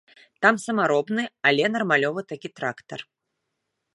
Там самаробны, але нармалёвы такі трактар.